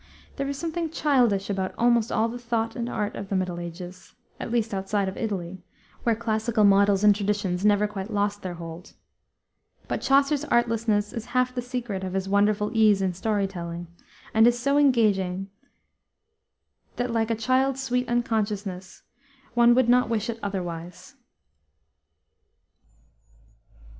There is something childish about almost all the thought and art of the Middle Ages at least outside of Italy, where classical models and traditions never quite lost their hold. But Chaucer's artlessness is half the secret of his wonderful ease in story telling, and is so engaging that, like a child's sweet unconsciousness, one would not wish it otherwise.